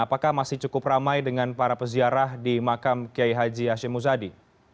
apakah masih cukup ramai dengan para peziarah di makam kiai haji hashim muzadi